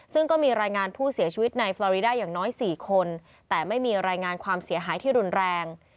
ซึ่งก็มีรายงานผู้เสียชีวิตในฟรารีด้าอย่างน้อย๔คนแต่ไม่มีรายงานความเสียหายที่รุนแรง